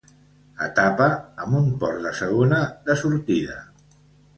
Etapa amb un port de segona de sortida.